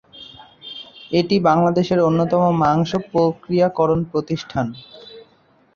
এটি বাংলাদেশের অন্যতম মাংস প্রক্রিয়াকরণ প্রতিষ্ঠান।